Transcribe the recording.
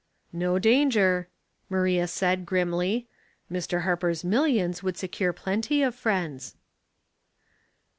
"No danger," Maria said, grimly, "Mr. Har per's millions would secure plenty of friends."